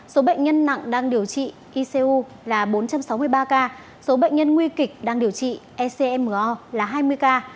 số bệnh nhân nặng đang điều trị icu là bốn trăm sáu mươi ba ca số bệnh nhân nguy kịch đang điều trị ecmo là hai mươi ca